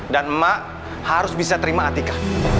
dan mak harus bisa terima atika